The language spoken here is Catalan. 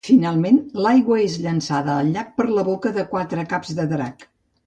Finalment l'aigua és llançada al llac per la boca de quatre caps de drac.